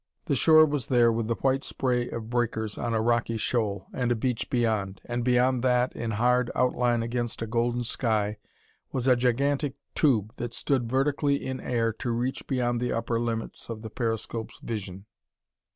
The shore was there with the white spray of breakers on a rocky shoal, and a beach beyond. And beyond that, in hard outline against a golden sky, was a gigantic tube that stood vertically in air to reach beyond the upper limits of the periscope's vision.